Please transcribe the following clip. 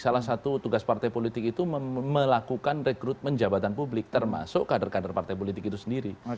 salah satu tugas partai politik itu melakukan rekrutmen jabatan publik termasuk kader kader partai politik itu sendiri